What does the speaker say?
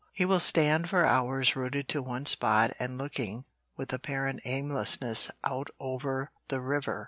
He will stand for hours rooted to one spot and looking with apparent aimlessness out over the river.